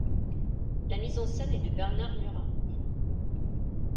La mise en scène est de Bernard Murat.